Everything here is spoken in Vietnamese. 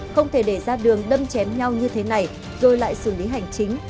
không thể để ra đường đâm chém nhau như thế này rồi lại xử lý hành chính